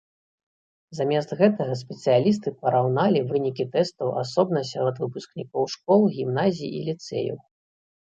Замест гэтага спецыялісты параўналі вынікі тэстаў асобна сярод выпускнікоў школ, гімназій і ліцэяў.